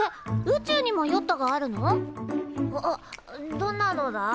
どんなのだ？